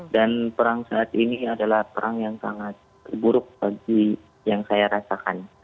dan perang saat ini adalah perang yang sangat buruk bagi yang saya rasakan